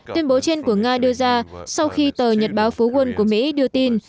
tuyên bố trên của nga đưa ra sau khi tờ nhật báo phố quân của mỹ đưa tin